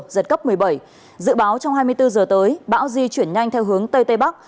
giật cấp một mươi bảy dự báo trong hai mươi bốn giờ tới bão di chuyển nhanh theo hướng tây tây bắc